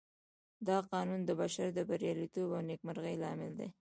دا قانون د بشر د برياليتوب او نېکمرغۍ لامل دی.